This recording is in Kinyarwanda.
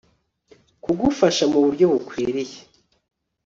kugufasha mu buryo bukwiriye